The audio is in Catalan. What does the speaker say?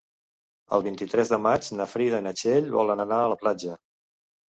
El vint-i-tres de maig na Frida i na Txell volen anar a la platja.